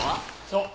そう。